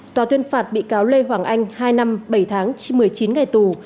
tòa tuyên phạt bị cáo lê hoàng anh hai năm bảy tháng một mươi chín ngày tù